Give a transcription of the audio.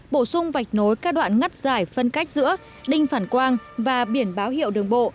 bổ sung vạch nối các đoạn ngắt giải phân cách giữa đinh phản quang và biển báo hiệu đường bộ